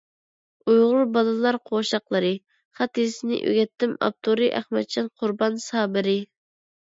ئۇيغۇر بالىلار قوشاقلىرى: «خەت يېزىشنى ئۆگەتتىم»، ئاپتورى: ئەخمەتجان قۇربان سابىرى